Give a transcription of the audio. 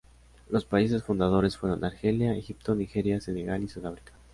Los países fundadores fueron: Argelia, Egipto, Nigeria, Senegal y Sudáfrica.